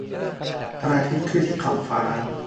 พระอาทิตย์ขึ้นที่ขอบฟ้า